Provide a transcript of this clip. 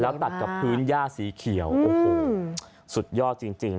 แล้วตัดกับพื้นหญ้าสีเขียวสุดยอดจริง